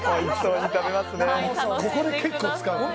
ここで結構使う。